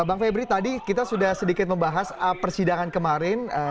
bang febri tadi kita sudah sedikit membahas persidangan kemarin